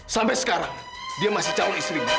sampai sekarang dia masih cowok istrinya